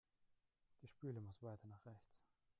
Die Spüle muss weiter nach rechts.